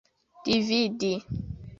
dividi